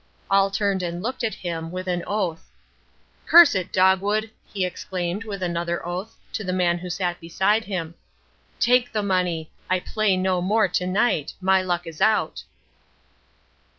All turned and looked at him, with an oath. "Curse it, Dogwood," he exclaimed, with another oath, to the man who sat beside him. "Take the money. I play no more to night. My luck is out."